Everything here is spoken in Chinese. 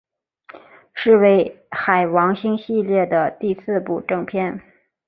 是为海王星系列的第四部正篇。